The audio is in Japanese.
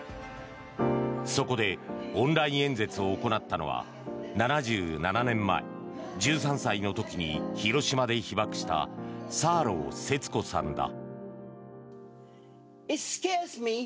そこでオンライン演説を行ったのは７７年前１３歳の時に広島で被爆したサーロー節子さんだ。